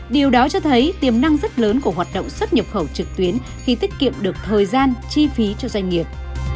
điều đó cho thấy tiềm năng rất lớn của hoạt động xuất nhập khẩu trực tuyến khi tiết kiệm được thời gian chi phí cho doanh nghiệp